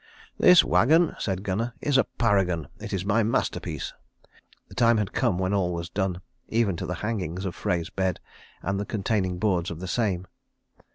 "This wagon," said Gunnar, "is a paragon. It is my masterpiece." The time had come when all was done, even to the hangings of Frey's bed, and the containing boards of the same.